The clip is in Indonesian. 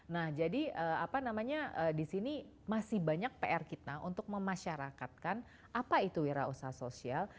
nah jadi apa namanya di sini masih banyak pr kita untuk memasyarakatkan apa itu wira usaha sosial